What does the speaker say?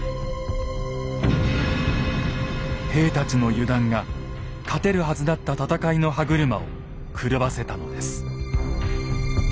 兵たちの油断が勝てるはずだった戦いの歯車を狂わせたのです。